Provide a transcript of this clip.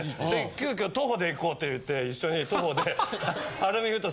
急遽徒歩で行こうって言って一緒に徒歩で晴海埠頭